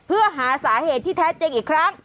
เพื่อหาสาเหตุที่แท้จริงอีกครั้ง